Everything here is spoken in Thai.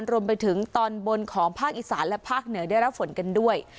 รวมไปถึงตอนบนของภาคอีสานและภาคเหนือได้รับฝนกันด้วย